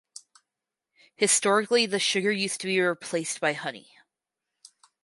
Historically the sugar used to be replaced by honey.